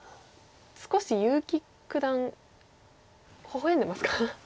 少し結城九段ほほ笑んでますか。